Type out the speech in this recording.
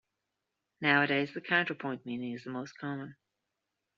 Nowadays the counterpoint meaning is the most common.